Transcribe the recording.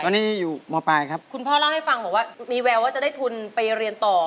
ตอนนี้อยู่มปลายครับคุณพ่อเล่าให้ฟังบอกว่ามีแววว่าจะได้ทุนไปเรียนต่อ